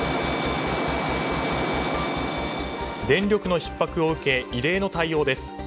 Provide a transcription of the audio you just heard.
電力のひっ迫を受け異例の対応です。